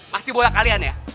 pasti bola kalian ya